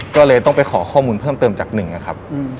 ก็เลยต้องไปขอข้อมูลเพิ่มเติมจากหนึ่งนะครับ